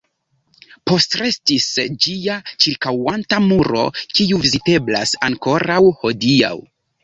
Postrestis ĝia ĉirkaŭanta muro, kiu viziteblas ankoraŭ hodiaŭ.